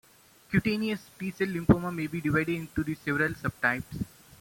Cutaneous T-cell lymphoma may be divided into the several subtypes.